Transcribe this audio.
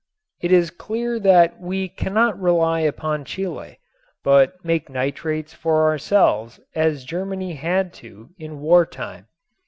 It is clear that we cannot rely upon Chile, but make nitrates for ourselves as Germany had to in war time.